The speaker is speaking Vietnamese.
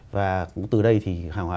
và từ đây thì hàng hóa